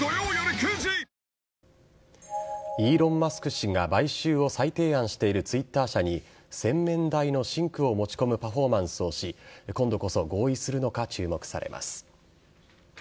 氏が買収を再提案しているＴｗｉｔｔｅｒ社に洗面台のシンクを持ち込むパフォーマンスをし今度こそ合意するのか注目されます。